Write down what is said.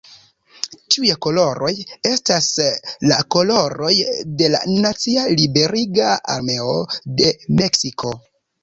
Tiuj koloroj estas la koloroj de la nacia liberiga armeo de Meksiko.